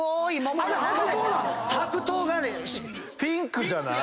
あれ白桃なの⁉ピンクじゃない？